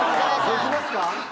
できますか？